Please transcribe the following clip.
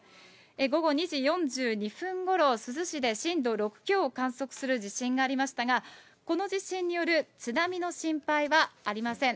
午後２時４２分ごろ、珠洲市で震度６強を観測する地震がありましたが、この地震による津波の心配はありません。